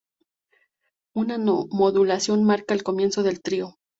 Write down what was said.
Una modulación marca el comienzo del trío.